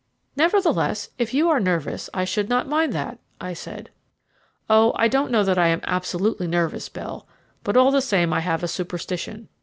"Nevertheless, if you are nervous, I should not mind that," I said. "Oh, I don't know that I am absolutely nervous, Bell, but all the same I have a superstition.